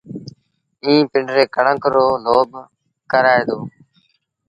ائيٚݩ پنڊريٚ ڪڻڪ رو لوب ڪرآئي دو